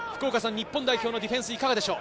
日本代表のディフェンスいかがでしょう？